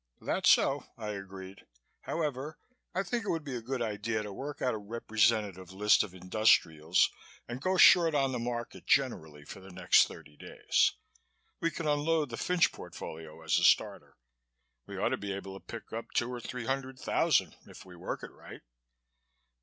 "That's so," I agreed. "However, I think it would be a good idea to work out a representative list of industrials and go short on the market generally for the next thirty days. We can unload the Fynch portfolio as a starter. We ought to be able to pick up two or three hundred thousand if we work it right."